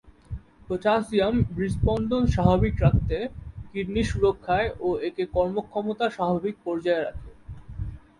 Potassium হৃৎস্পন্দন স্বাভাবিক রাখতে, কিডনি সুরক্ষায় ও একে কর্মক্ষমতা স্বাভাবিক পর্যায়ে রাখে।